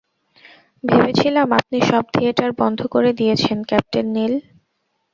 ভেবেছিলাম আপনি সব থিয়েটার বন্ধ করে দিয়েছেন, ক্যাপ্টেন নিল।